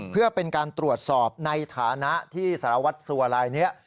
เพื่อเป็นการตรวจสอบในฐานะที่สารวัตรสัวลายนี้